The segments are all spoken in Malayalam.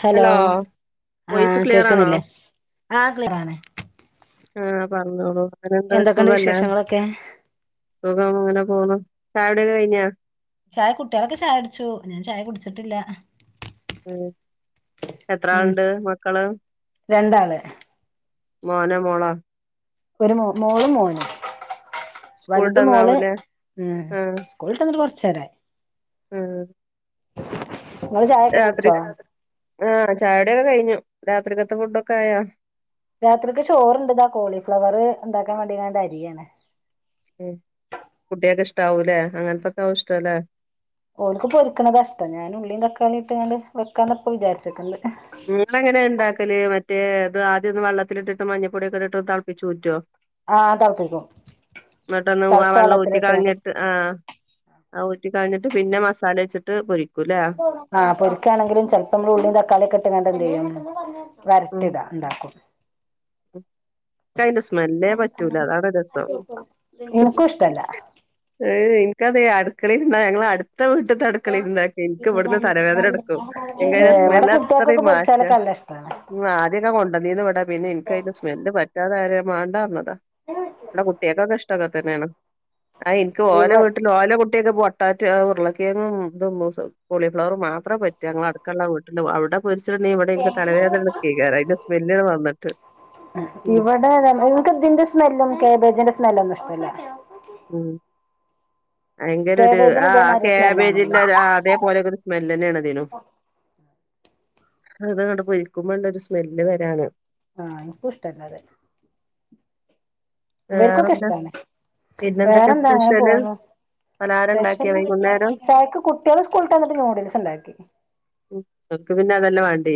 ഹലോ വോയിസ് ആഹ് ക്ലിയർ ആണോ കേക്കണില്ലേ ആഹ് ക്ലിയറാണ്. ആഹ് പറഞ്ഞോളൂ എങ്ങനെണ്ട് എന്തൊക്കെയുണ്ട് സുഖല്ലെ. വിശേഷങ്ങളൊക്കെ സുഖം അങ്ങനെ പോകുന്നു ചായകുടിക്കെ കഴിഞ്ഞാ. ചായ കുട്ടികളൊക്കെ ചായ കുടിച്ചു ഞാൻ ചായ കുടിച്ചിട്ടില്ല. ഉം എത്ര ഉം ആൾണ്ട് മക്കള്. രണ്ടാള് മോന മോളോ. ഒരു മോ മോളും മോനും വലുത് മോള് സ്കൂളിട്ടന്നാവൂലേ എ. സ്കൂൾട്ട് വന്ന്ട്ട് കുറച്ചേരായി. ഉം. നിങ്ങള് ചായൊക്കെ കുടിച്ചോ. ആഹ് ചായകുടിക്കെ കഴിഞ്ഞു രാത്രികെത്തെ ഫുഡൊക്കായാ. രാത്രിക്ക് ചോറുണ്ട് ഇതാ കോളിഫ്ലവറ് ഇണ്ടാക്കാൻ വേണ്ടികാണ്ട് അരിയാണ്. ഉം കുട്ട്യേക്ക് ഇഷ്ടാവൂലെ അങ്ങനത്തക്കാവും ഇഷ്ടലേ. ഓല്ക്ക് പൊരിക്ക്ണത ഇഷ്ടം ഞാന് ഉള്ളീ തക്കാളി ഇട്ട് കാണ്ട് വെക്കാന്ന ഇപ്പ വിചാരിച്ചിക്ക്ണത്. നിങ്ങളെങ്ങനെ ഇണ്ടാക്കല് മറ്റേ അത് ആദ്യൊന്ന് വെള്ളത്തിലിട്ടിട്ട് മഞ്ഞപ്പൊടിയൊക്കെ ഇട്ടിട്ട് തിളപ്പിച്ചു ഊറ്റോ. ആഹ് തിളപ്പിക്കും എന്നിട്ടൊന്ന് ആ തിളച്ച വെള്ളം ഊറ്റി വെള്ളത്തിലിട്ട്ങ്ങാണ്ട് കളഞ്ഞിട്ട്. ആഹ് ആ ഊറ്റി കളഞ്ഞിട്ട് പിന്നെ മസാല വെച്ചിട്ട് പൊരി ആഹ് പൊരിക്കാണെങ്കിലും ചെലപ്പോ മ്മള് ഉള്ളീ തക്കാളീ ഒക്കെ ഇട്ട്ങ്ങാണ്ട് എന്തെയ്യും വരട്ടിടാ. ഉണ്ടാക്കും. ഇക്കയിന്റെ സ്മെല്ലേ പറ്റൂല അതാണ് രസം. ഇൻക്കൂ ഇഷ്ടല്ല. ഏ ഇൻക്കതെ അടുക്കളയിലിരുന്ന ഞങ്ങളെ അട് ത്ത വീട്ട്ത്തെ അടുക്കളില്ണ്ടാക്യ എനിക്ക് ഇവട്ന്ന് തലവേദനട്ക്കും ഏ ഇൻകതിൻ്റെ ഇവിടെ സ്മെല്ല് കുട്ടികൾക്കൊക്കെ അത്രയും മാറ്റ. പൊരിച്ചാലൊക്കെ നല്ല ഇഷ്ടാണ് ഉം ആദ്യക്കെ കൊണ്ടന്നീന്ന് ഇവടെ പിന്നെ എനിക്ക് അതിന്റെ സ്മെല്ല് പറ്റാതായാരെ ഞ്ഞാൻ മാണ്ടാർഞ്ഞതാ. [unintelligible] ഇവടെ കുട്ട്യേകൊക്കൊക്കെഷ്ട അങ്ങൻതന്നെണ് ആ എനിക്ക് ഇവ ഓലെ വീട്ട് ഓലെ കുട്ട്യേക്ക് പൊട്ടാറ്റൊ ഉരുളക്കിയങ്ങും ഇതും കോളിഫ്ലവറും മാത്ര പറ്റൂ ഞങ്ങളട് ക്കള്ള വീട്ടില് അവിടെ പൊരിച്ചിട്ട്ണ്ടെങ്കി ഇവിടെനിക്ക് തലവേദനട്ക്കേകാരം അതിന്റെ സ്മെല്ല്ണ് വന്നിട്ട് ഉം ഇവിടെ താ നിക്ക് ഇതിന്റെ സ്മെല്ലും കേബേജിന്റെ സ്മെല്ലന്നും ഇഷ്ടല്ല ആഹ് വയങ്കര ഒരു കേബേജിന് ആ ഇതേമാതിരി സ്മെല്ലാണല്ലോ കാബേജിന്റെ ആ അതേപോലെ ക്കെ സ് മെല്ലന്നേണ് അതിനും ഇതങ്ങട്ട് പൊരിക്കുമ്പോണ്ട് ഒരു സ്മെല്ല് വരാന് ആഹ് ഇൻക്കൂ ഇഷ്ടല്ലഅത് ഇവർക്കൊക്കെ വേറെന്താ ഇഷ്ടാണ് പിന്നെന്തൊക്കെ വേറെന്താ അങ്ങനെ സ്പെഷ്യല് പോക്ന്നു പലഹാരം ഉണ്ടാക്കിയ വൈകുന്നേരം [inaudible] ചായക്ക് കു ട്ട്യേള് സ്കൂളട്ടന്നു ന്യൂഡിൽസ്ണ്ടാക്കി മക്കക്ക് പിന്നെ അതെല്ലേ വാണ്ടീ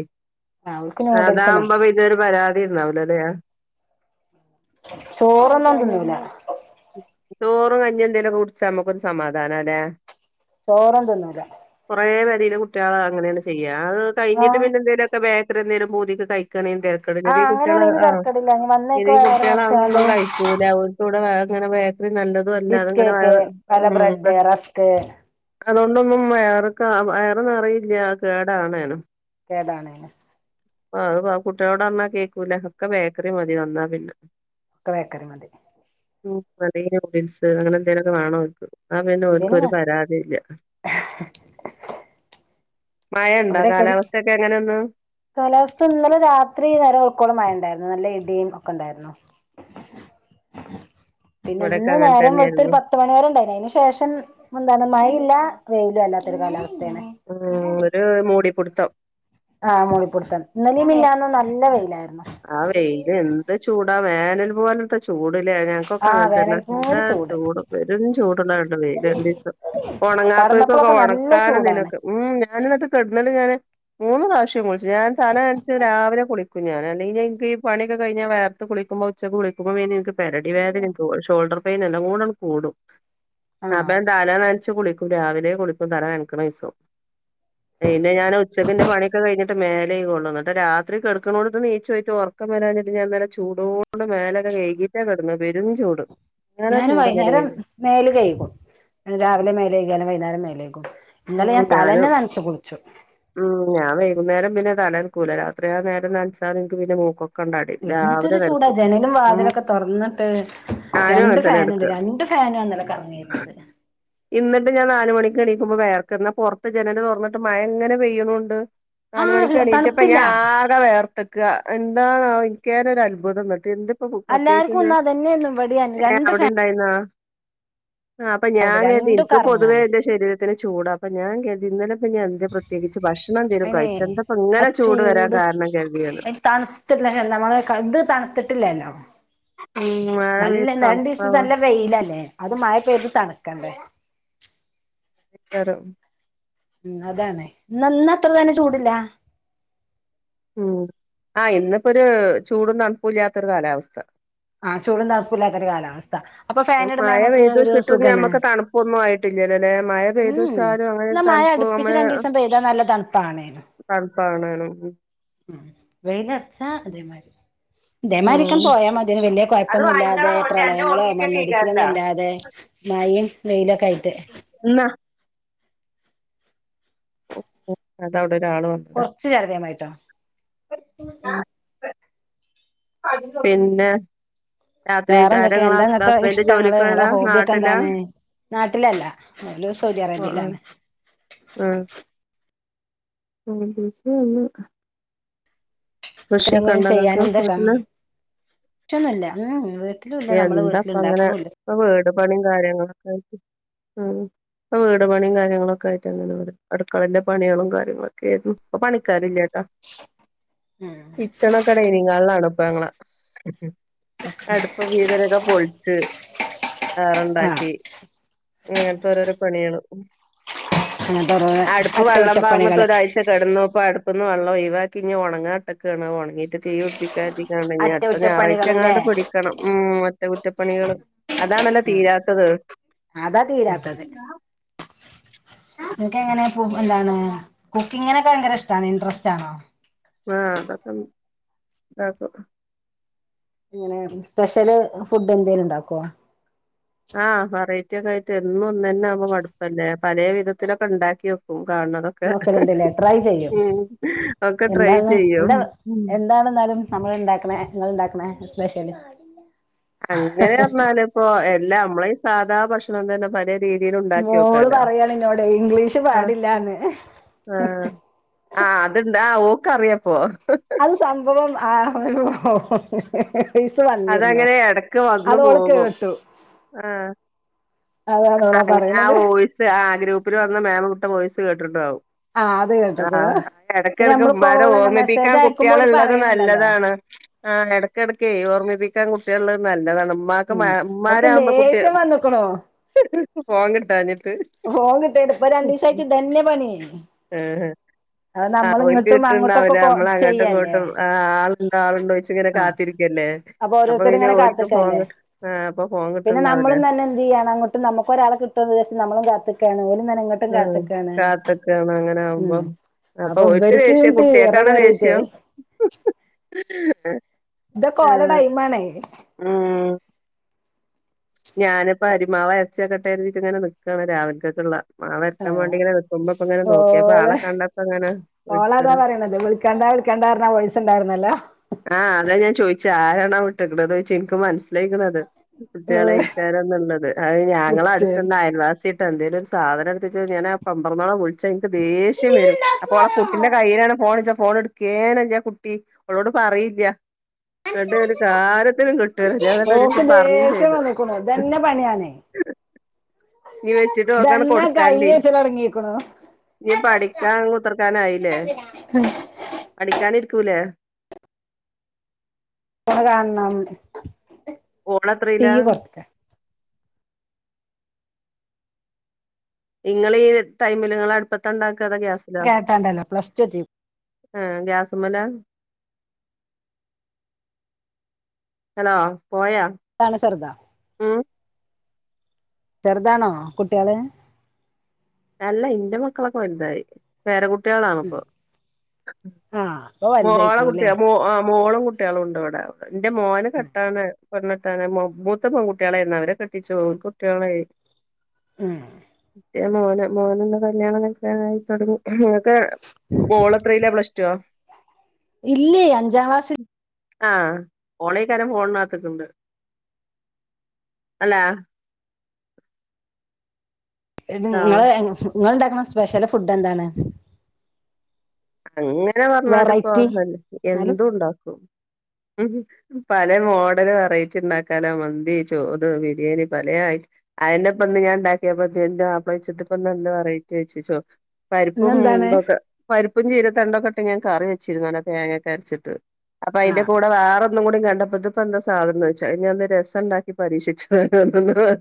ആ അവൾക്ക് നൂഡിൽസ് മതി അതാവുമ്പപി ന്നൊരു പരാതി ഉണ്ടാവുല ലെ ചോറന്നും തിന്നൂല്ല ചോറും കഞ്ഞീ എന്തേലുക്കെ കുടിച്ചാ നമ്മുക്കൊരു സമാധാനല്ലേ ചോറൊന്നും തിന്നൂല കൊറേ പെരെൽ കുട്ട്യേള് അങ്ങനെയാണ് ചെയ്യ അത് ആ കഴിഞ്ഞിട്ട് പിന്നെ എന്തേലും ക്കെ ബേക്കറി എന്തേലും പൂതിക്ക് കഴിക്ണെങ്കി തെ ആ കഴീണത് കുട്ടികൾ അങ്ങനെയാണെങ്കി ആ തരക്കേടില്ല ഇനി വന്നേക്ക് ചെറിയ വയറ് നിറച്ചാണ്ട് കുട്ടികളഅതൊന്നും കഴി ക്കൂല ഓൽക്ക് അങ്ങനെ ബേക്കറി നല്ലതും അല്ലാ അതങ്ങനെ ബിസ്കറ്റ് വയർ വല്ല ആഹ് ബ്രെഡ് റസ്ക് അതുകൊണ്ടൊന്നും വയർക്ക വയർന്നറയൂല്ല കേടാണേനും കേടാണേനും ആ അത് കുട്ടികളോട്പറഞ്ഞാൽ കേക്കൂല ഒക്കെ ബേക്കറി മതി വന്നാ പിന്നെ ഒക്കെ ബേക്കറി മതി അല്ലെങ്കി ന്യൂഡിൽസ് അങ്ങനെ എന്തേലുക്കെ വേണോൽക്ക് ന്ന പിന്നെ എന്തേലും ഓൽക്കൊരു വേണം പരാതി ഇല്ല മഴണ്ടോ അവിടെയൊക്കെ കാലാവസ്ഥയൊക്കെ എങ്ങനെയേ ന്ന് കാലാവസ്ഥ ഇന്നലെ രാത്രി നേരം വെൾകോളം മഴണ്ടായിരുന്നു നല്ല ഇടിയും ഒക്കെണ്ടായിരുന്നു പിന്നെ ഇവിടൊക്കെ ഇന്ന് അങ്ങനെ നേരം വെൾത്തരു തന്നെയായിരുന്നു പത്ത് പത്ത് മണിവരെണ്ടായിരുന്നു അതിന് ശേഷം മുന്താ മഴ ഇല്ല വെയിലും അല്ലാത്ത ഒരു കാലാവസ്ഥയാണ് ഹ് ഒരു മൂടിപ്പിടുത്തം ആ മൂളിപ്പിടുത്തം ഇന്നലേം മിനിഞ്ഞാന്നും നല്ല വെയിലായിരുന്നു ആ വെയില് എന്ത് ചൂടാ വേനൽ പോവലത്തെ ചൂട് ലെ ഞ ക്കൊക്കെ ആഹ് അങ്ങനെ തന്നെ വേനൽ എന്താ പോലെ ചൂട് പെരും ചൂടുള്ള വെയില് രണ്ടീസം ഉണങ്ങാത്തോർക്കൊക്കെ കടന്നപ്പോഴൊക്കെ നല്ല ഉണക്കാനും ചൂടാണ് ഇതിനൊക്കെ ആഹ് ഞാനിട്ട് കെടുന്നണ്ട് ഞാന് മൂന്ന് പ്രാവശ്യം കുളിച്ചു ഞാൻ തലനച്ച് രാവിലെ കുളിക്കും ഞാൻ പിന്നനിക്ക് ഈ പണിയൊക്കെ കഴിഞ്ഞാ വെയർത്ത് കുളിക്കുമ്പോ ഉച്ചക്ക് കുളിക്കുമ്പോൾ പിന്നെനിക്ക് പരടിവേദനീം ഷോൾഡർ പൈൻ എല്ല കൂടെങ്ങട്ട് കൂടും ആഹ് [unintelligible] തല നനച്ച് കുളിക്കും രാവിലെ കുളിക്കും തല നനക്കണ ദീസം പിന്നെ ഞാൻ ഉച്ചക്കന്റെ പണിയൊക്കെ കഴിഞ്ഞിട്ട് മേലേയ്കൊള്ളു ന്നിട്ട് രാത്രി കെടക്കണോടുത്ത് നീ ചോയിട്ട് ഉറക്കം വരാഞ്ഞിട്ട് ഞാൻന്നലെ ചൂടോട് മേലൊക്കെ കഴ്കിട്ടാ കെടന്നത് പെരും ചൂട് ഞാനാ ഞാൻ ചൂട് ഇന്നലെ വൈന്നേരം കഴിഞ്ഞു മേല് കഴ്കും രാവിലെ മേലഴികിയാലും വൈന്നേരം മേലകും ഇന്നലെ ഞാൻ തലേന്നെ നനച്ചു കുളിച്ചു ആഹ് ഞാൻവൈകുന്നേരം പിന്ന തലനക്കൂല രാത്രി ആ നേരം നനച്ചാൽ ഇൻക് പിന്നെ മൂക്കൊ എന്തൊരു ചൂടാ ജനലും ഉം വാതിലൊക്കെ തുറന്നിട്ട് ഞാനും രണ്ട് അങ്ങനെ തന്നെ കെടക്ക ഫാനുണ്ട് രണ്ടും ഫാനും ന്നലെ കറങ്ങീട്ട്ണ്ട് ഇന്നിട്ട് ഞാൻ നാല് മണിക്ക് എണിക്കുമ്പോൾ വെയ ന്ന പുറത്ത് ജനൽ തൊറന്നിട്ട് മഴങ്ങനെ പെയ്യുന്നുണ്ട് നാല് ആഹ് മണിക്ക് എണീറ്റപ്പ തണുപ്പില്ല ഞാ ആ കെ വയർത്തെക്ക എന്താന്നാവോ എനിക്കന്നേ ഒരു അത്ഭുതംന്നിട്ട് എന്ത് എല്ലാർക്കും ഇന്ന് അതന്നെയായിരുന്നു ഇവിടെയും രണ്ട് [unintelligible] ണ്ടായീന്നോ അപ്പൊ ഞാ ഫാനുണ്ട് കര്തി രണ്ടും നിക്ക് പൊതുവേ കറങ്ങാണ് എന്റെ ശരീരത്തിന് ചൂടാ അപ്പ ഞാൻ കര്തി ഇന്നലെ ഞാൻ പ്പോ എന്ത പ്രത്യേകിച്ച് ഭക്ഷണം ന്തേലും അയിനെ കഴിച്ചു എന്തപ്പ ആ ഇങ്ങനെ ചൂട് വരാൻ കാരണം കര്തി ഞാൻ ല്ലെ നമ്മള് ഇത് തണുത്തിട്ടില്ലല്ലോ ഉം നല്ല പെയ്ത് രണ്ടീസം തണുപ്പാവാൻ നല്ല വെയിലല്ലേ അത് മഴ പെയ്ത് തണുക്കണ്ടേ എക്കാരം ഉം അതാണ് ന്ന ഇന്ന് അത്ര തന്നെ ചൂടില്ല ഉം ആഹ് ഇന്നിപ്പോ ഒരു ചൂടൊന്നും തണുപ്പല്ലാത്തൊ ഒരു കാലാവസ്ഥ ആഹ ചൂടും താണപ്പൂല്ലാത്തൊ ഒരു കാലവസ്ഥ മഴ പെയ്തു വെച്ചിട്ടും നമ്മുക്ക് തണുപ്പൊന്നും ആയിട്ടില്ലല്ല അല്ലെ മഴ പെയ്തു ഉം ച്ചാലും അങ്ങനെ ഇന്നാ മഴ തണുപ്പ് അടുപ്പിച്ച് അങ്ങനെ രണ്ടീസം പെയ്താ നല്ല തണുപ്പാണേനും തണുപ്പാണ് ഉം വെയിലറച്ച അതേമാതിരി അതേമാതിരിക്ക ഉം പോയാൽ മതി ഇതിന് വലിയ അത് കുഴപ്പൊന്നും വാങ്ങിക്കാളാ ഇല്ലാതെ ഓടി അന്റെ ഓ പ്രളയങ്ങളോ ടി പി ഒക്കെ എഴുതാറില്ല മണ്ണിടിച്ചിലൊന്നും ഇല്ലാതെ മഴയും വെയിലൊക്കെ ആയിട്ട് ഇന്നാ അത അവിടെ ഒരാൾ വ കുറച്ച് ചറകിയ മായിട്ടോ പിന്നെ രാത്രികാരം വേറെന്തൊക്കെയ ഇങ്ങളെ എന്താ ഹസ് നിക്കെ ഹസ്ബൻഡ് ഇഷ്ടങ്ങള് നിങ്ങളെ ജോലിക്കോയതാ ഹോബിക്കെ നാട്ടിലാ എന്താണ് നാട്ടിലല്ല ന സൗദി അറേബ്യയിലാണ് ഉം [unintelligible] കൃഷിയൊക്കെ എത്രെങ്കിലും ഇണ്ടോ ഇങ്ങക്ക് ചെയ്യാന [unintelligible] വീട്ടില് ല്ല നമ്മെളെ വീട്ടില എന്താപ്പ അങ്ങനെ ഉണ്ടാക്കണ ഇല്ല ഇപ്പൊ വീട് പണിയും കാര്യങ്ങളൊക്കെ ആഹ് അപ്പൊ വീട് പണിയും കാര്യങ്ങളൊക്കെ ആയിട്ട് അങ്ങനെ വരും അടുക്കളന്റെ പണികളും കാര്യങ്ങളുംക്കെ ആയിരുന്നു പ്പ പണിക്കാരില്ലേട്ടാ ഉം കിച്ചണൊക്കെ ഡൈനിങ്ങളിലാണ ഇപ്പ ഞങ്ങളെ അടുപ്പ വീതനൊ ക്കെ പൊളിച്ച് ആഹ് വേറണ്ടാക്കി അങ്ങനത്തെ ഓരോരോ പണികള് അങ്ങനത്തെ ഓരോ അടുപ്പ് വെള്ളം പാർന്നിട്ട് അറ്റകുറ്റപ്പണികള് ഒരാഴ്ച കിടന്ന ഇപ്പ അടുപ്പൊന്ന് വെള്ളം ഒഴിവാക്കി ഇഞ് ഉണങ്ങാട്ടൊക്കെയാണ് ഉണങ്ങയിട്ട് തീ പിടിപ്പിക്കാ കരുതി ങ്ങഞ അടുത്ത ഞായറാഴ്ച അറ്റകുറ്റപ്പണികള്ല്ലേ ങ്ങാണ്ട് പിടി ഉം അറ്റ കുറ്റപ്പണികൾ അതാണല്ലോ ഉം തീരാത്തത് അതാ തീരാത്തത് ആഹ ങ്ങക്ക് എങ്ങനെ എന്താണ് കുക്കിങ്ങിനൊക്കെ ഭയങ്കര ഇഷ്ടാണ് ഇൻട്രസ്റ്റ് ആണോ ഉം അതൊക്കെണ്ട് ഇങ്ങനെ സ്പെഷ്യല് ഫുഡ് എന്തേങ്കലും ഉണ്ടാക്കോ ആഹ് വറൈറ്റി ഒക്കെ ആയിട്ട് എന്നും ഒന്ന തന്നെ ആവുമ്പോ മടുപ്പല്ലേ പല വിധത്തിലൊക്കെ ഉണ്ടാക്കി വെക്കും കാണത നോക്കലുണ്ടല്ലേ ട്രൈ ചെയ്യും ഒക്കെ ട്രൈ എന്താണ് ചെയ്യും എന്താ എന്താണെന്നാലും നമ്മൾ ഉണ്ടാക്കണേ നിങ്ങൾ ഉണ്ടാക്കണേ സ്പെഷ്യലി അങ്ങനെ പറഞ്ഞാല ഇപ്പൊ എല്ലാം നമ്മള ഈ സാധാ ഭക്ഷണം തന്നെ പലേ രീതിൽ ഉണ്ടാക്കി മോള് നോക്കാലോ പറയാണ് എന്നോട് ഇംഗ്ലീഷ് ആഹ പാടില്ലാന്ന് ആഹ് ആഹ് അത്ണ്ട് ആ ഓക്ക അറിയപ്പോ അത് സംഭവം [unintelligible] [unintelligible] വന്നിരുന്നോ അതങ്ങനെ എടക്ക് വന്നു അതോള് പോകും. കേട്ടു ആഹ് അതണോളാ പറയ്ണത് ആഹ് ഗ്രൂപ്പ്‌ല് വന്ന മേമ് വിട്ട വോയിസ് കേട്ടിട്ട്ണ്ടാവും ആ അത് കേട്ടുക്കുണു ആഹ് പിന്നെ എടക്കടക്ക് നമ്മള് ഉമ്മാനെ കോള് ഓർമിപ്പിക്കാൻ മെസ്സേജ് അയക്കുമ്പോ കുട്ടിയാള് ഓല് ഇള്ളത് പറയണുണ്ടല്ലോ നല്ലതാണ് ആഹ് എടക്കടക്കയ് ഓർമ്മിപ്പിക്കാൻ കുട്ടിയാൾ ഉള്ളെ നല്ലതാണ് ഉമ്മാക്ക് ഉമ്മ ഉമ്മാരാകുമ്പോ കുട്ടി കളോ ഫോൺ കിട്ടാഞ്ഞിട്ട് ഫോൺ കിട്ടായിട്ട് പ്പ രണ്ടീസായിട്ട് ഇതന്നെ പണി ഏഹ് അത് ഹെ നമ്മള് ആഹ് ഓൽക്ക് ഇങ്ങട്ടും അങ്ങോട്ടൊക്കെ കിട്ട്ണ്ടാവില്ല കൊ നമ്മൾ അങ്ങട്ടും ചെയ്യല്ലേ ഇങ്ങോട്ടും ആ ആളുണ്ടോ ആളുണ്ടോച്ചിങ്ങനെ ആ കാത്തിരിക്കല്ലേ അപ്പൊ ഓരോരുത്തര് പിന്നെ ഇങ്ങനെ ഓൽക്ക് ഫോൺ കാത്ത്ക്കല്ലേ കിട്ട് ആഹ് അപ്പൊ ഫോൺ പിന്നെ കിട്ട്ണ്ടാവൂല. നമ്മളും തന്നെ എന്ത് ചെയ്യാണ് അങ്ങോ ട്ടും നമുക്ക് ഒരാളെ കിട്ടും എന്ന് വിചാരിച്ച് നമ്മളും കാത്ത്ക്കാണ് ഓല്ങ്ങനെ ഇങ്ങട്ട് ആ കാത്ത്ക്കാണ് അങ്ങനെ ഉം ആകുമ്പം അപ്പൊ ഓൽക്ക് ഇവർക്ക് ദേഷ്യം ഇങ്ങട്ട് ഇറ കുട്ടിയാക്കാണാ കേറിട്ടേ ദേഷ്യം ഇതൊക്കെ ഓലെ ആഹ് ടൈമാണേ ഉം ഞാനിപ്പോ അരിമാവ് അരച്ചക്കട്ടെ എന്നരുതീട്ട് ഇങ്ങനെ നിക്കാണ് രാവിൽക്കെക്കുള്ളെ മാവരക്കാൻ വേണ്ടി ആഹ് ഇങ്ങനെ നിക്കുമ്പൊ പ്പ ഇങ്ങനെ നോക്കിയപ്പ ഓള് ആളെ കണ്ടപ്പോ അങ്ങനെ വിളിച്ചതാ കണ്ട വിളിക്കണ്ടാർഞ്ഞ വോയിസ്സുണ്ടായിരുന്നല്ലോ ആഹ് അതാ ഞാൻ ചോദിച്ചെ ആരാണാ വിട്ട്ക്ണത് ചോയ്ച്ച ഇൻക്ക് മനസ്സിലായിക്ക്ണ് അത് ഏഹ് കുട്ടിയാളെയ്കാരം ന്നുള്ളത് അത് ഞങ്ങളെ കിട്ടിയത് അടുത്തുള്ള അയൽവാസിയിട്ട് എന്തെലും സാധന എടുത്ത് വെച്ച് ഞാൻ ആ പെമ്പർന്നോളെ വിളി ച്ച എനിക്ക് ദേഷ്യം വരും അപ്പ അവളെ കുട്ടിന്റെ കയ്യിലാണ് ഫോണിച്ച ഫോൺ എടു കേനല്ല കുട്ടി ഓളോട് പറയില്ല ന്നട്ട് ഒരു കാരൃത്തിനും കിട്ടൂല്ല ഞാൻ ന്നട്ട് ഒരു ദിവസം പർഞ്ഞും ചെയ്തു [unintelligible] പർഞ്ഞ്കുണു ഇതന്നെ പണിയാണെ ഇനി വെച്ചിട്ട് ഓക്കങ്ങട് ദന്ന കൈയ്യ ചോയ്ച്ചലൊടങ്ങിക്ക്ണു ഇനിപ്പ അടിക്കാൻ കുത്തർക്കാൻ ആയില്ലേ അടിക്കാൻ ഇരിക്കൂലേ ഓളെ കാണണം ടി ഓളെത്രീലാ വി കൊറക്ക ഇങ്ങള് ഈ ടൈമില് ഇങ്ങള് അട്പ്പത്തണ്ടാക്കാ അതാ ഗ്യാസ് കേട്ടാണ്ടല്ലൊ പ്ലസ് ടു എത്തി ആഹ് ഗ്യാസ്മ്മലാ ഹലോ പോയോ താണ് ചെറ്താ ഉം ചെറ്താണോ കുട്ടിയാള് അല്ല ഇന്റെ മക്കളൊക്കെ വൽതായി പേര കുട്ടിയാളാണിപ്പൊ ആഹ് ഇപ്പൊ വലുതായിക്ക്ണു മോളകുട്ടിയ ല്ലേ ആ മോളും കു ട്ടിയാളുണ്ട് ഇവിടെ എന്റെ മോന് കെട്ടാനായി പെണ്ണെ ട്ടാനായി മൂ മൂത്ത പെൺകുട്ടിയാളായിരുന്നു അവരെ കെട്ടിച്ചു ഓർക്ക് കുട്ടിയാളായി ഉം മോന് മോനൊന്ന് കല്യാണം കൈക്കാനായി തൊട്ങ്ങി പ്പെ ഓളത്രീല പ്ലസ് ടോ ഇല്ലെ അഞ്ചാം ക്ലാസ് ആഹ് ഓളേക്കാരം ഫോണിന് അകത്ത്ക്ക്ണ്ട് ഹലോ ആ ഇങ്ങള് ഇങ്ങള് ഇണ്ടാക്ക്ണെ സ്പെഷ്യല് ഫുഡ് എന്താണ്? അങ്ങനെ പർഞ്ഞാല് ഇപ്പോ വെറൈറ്റി എന്നാലും എന്തും ഇണ്ടാക്കും പല മോഡല് വെറൈറ്റിണ്ടാക്കാനോ മന്തി, ചോറ്, ബിരിയാണി പലേ അയ് അതന്നെപ്പന്ന് ഞാൻ ഇണ്ടാക്കിയപ്പ ഇന്റെ മാപ്പള ചോയ്ച് ത്പ്പന്ന് എന്ത് വെറൈറ്റി ചോയ്ച് ചോ പരിപ്പും ഇന്നെന്താണ് മുമ്പൊക്കെ പ്പും ചീരത്തണ്ടൊക്കെട്ട് ഞാൻ കറി വെച്ചിരുന്നു നല്ല തേങ്ങക്കെ അരച്ചിട്ട് അപ്പൊ അതിന്റെ ആഹ് കൂടെ വേറെ ഒന്നും കൂടി കണ്ടപ്പോ ഇത്പ്പോ എന്താ സാധനം എന്ന് ചോദിച്ചു അത് ഞാ ഇന്ന് രസം ഇണ്ടാക്കി പരീക്ഷിച്ചതാ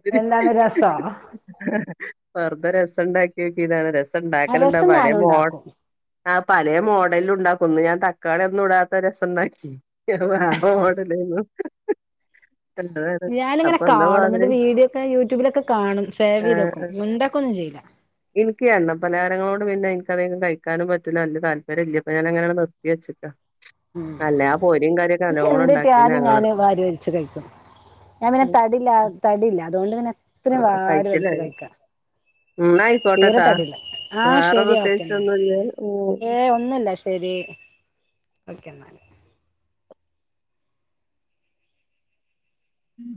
[unintelligible] എന്താണ് രസൊ? വെർതെ രസം ഇണ്ടാക്കി നോക്കിയതാണ് രസം ആഹ് ഇണ്ടാക്കല് ഇണ്ടോ രസം പലെ ഞാനും മോ ഉണ്ടാക്കും ആഹ് പലേ മോഡലും ഇണ്ടാക്കും ഇന്ന് ഞാൻ തക്കാളി ഒന്നും ഇടാത്ത രസം ഇണ്ടാക്കി [unintelligible] ഞാനിങ്ങനെ കാണും മാതിരി ഇന്നട്ട് വീഡിയോ ഒക്കെ യൂട്യൂബിലൊക്കെ കാണും സേവ് ചെയ്ത് വെക്കും മുന്തക്കൊന്നും ചെയ്യില്ല ഇൻക്ക് എണ്ണ പലഹാരങ്ങളോട് പിന്നെ ഇൻക്കദികം കഴിക്കാനും പ റ്റുല വെല്ല്യേ താല്പര്യല്ല ഇപ്പ ഞാനങ്ങനെണ്ട് നിർത്തി വെച്ചക്ക ഉം ഇൻക്ക് എന്ത്‌ ഉണ്ടാക്കീന് കിട്ടിയാലും ഞങ്ങള് ഞാന് വാരി വൽച്ച് കഴിക്കും ഞാൻ പിന്നെ ഉം തടില്ല തടില്ല അതുകൊണ്ട് പിന്നെ എത്രയും ആഹ് വാരി വൽച്ച് കഴിച്ചിലായി കഴിക്ക ന്നാ അയ്കോട്ടട്ടൊ ആഹ് വേറെ ശരി ഓക്കെ പ്രേത്യേകിച്ച് എന്നാൽ ഒന്നും ഇല്ലല്ലോ? ഏഹ് ഒന്നുല്ല ശെരി ഓക്കെ ന്നാല് ഉം